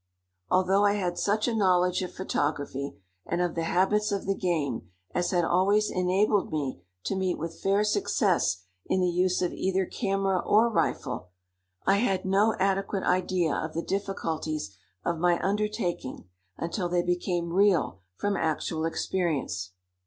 Although I had such a knowledge of photography and of the habits of the game as had always enabled me to meet with fair success in the use of either camera or rifle, I had no adequate idea of the difficulties of my undertaking until they became real from actual experience.